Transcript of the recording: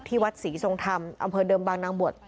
ที่วัดศรีทรงทำอำเภอเดิมบางนางบวช